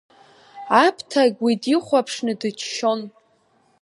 Аԥҭагь уи дихәаԥшны дыччон.